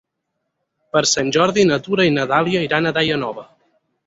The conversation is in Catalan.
Per Sant Jordi na Tura i na Dàlia iran a Daia Nova.